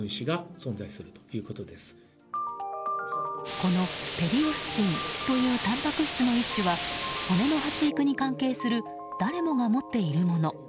このペリオスチンというたんぱく質の一種は骨の発育に関係する誰もが持っているもの。